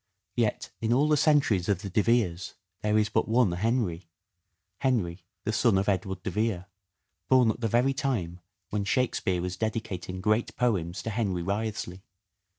Yet, in all the centuries of the De Veres, there is but one " Henry" ; Henry, the son of Edward de Vere, born at the very time when " Shakespeare " was dedicating great poems to Henry Wriothesley.